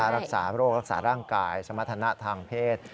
รักษาโรครักษาร่างกายสมรรถนะทางเพศ